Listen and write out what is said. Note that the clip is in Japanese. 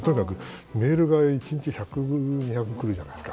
メールが１日１００、２００来るじゃないですか。